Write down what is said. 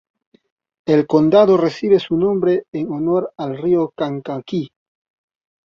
El condado recibe su nombre en honor al Río Kankakee.